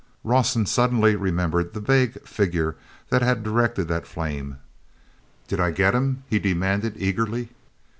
Rawson suddenly remembered the vague figure that had directed that flame. "Did I get him?" he demanded eagerly.